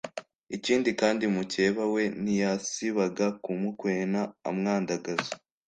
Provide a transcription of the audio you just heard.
ikindi kandi, mukeba we ntiyasibaga kumukwena amwandagaza